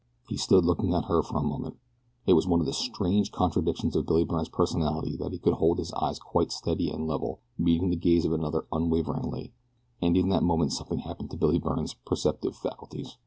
He stood looking at her for a moment it was one of the strange contradictions of Billy Byrne's personality that he could hold his eyes quite steady and level, meeting the gaze of another unwaveringly and in that moment something happened to Billy Byrne's perceptive faculties.